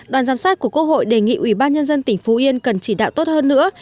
đoàn giám sát của quốc hội đề nghị ủy ban nhân dân tỉnh phú yên cần chỉ đạo tốt hơn nữa